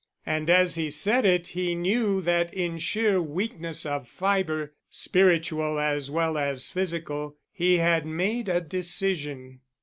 And as he said it, he knew that in sheer weakness of fiber, spiritual as well as physical, he had made a decision.